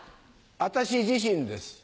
私自身です。